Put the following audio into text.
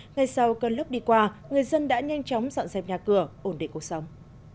ngay sau cơn lốc đi qua người dân đã nhanh chóng dọn dẹp nhà cửa ổn định cuộc sống